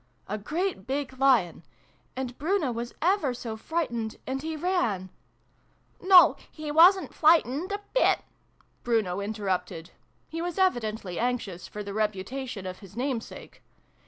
"A great big Lion. And Bruno was ever so frightened, and he ran "No, he wasn't flight ened a bit !" Bruno interrupted. (He was evidently anxious for the reputation of his namesake.)